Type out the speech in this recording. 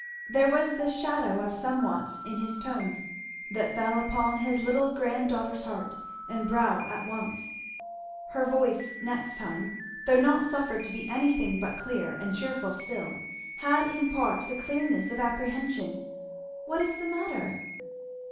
There was the shadow of somewhat in his tone, that fell upon his little granddaughter's heart and brow at once. Her voice next time, though not suffered to be anything but clear and cheerful still, had in part the clearness of apprehension. "What is the matter?"